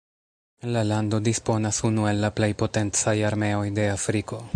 La lando disponas unu el la plej potencaj armeoj de Afriko.